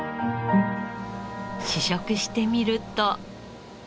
試食してみると。